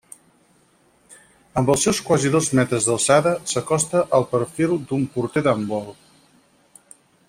Amb els seus quasi dos metres d'alçada, s'acosta al perfil d'un porter d'handbol.